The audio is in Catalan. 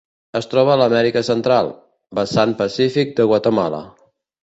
Es troba a l'Amèrica Central: vessant pacífic de Guatemala.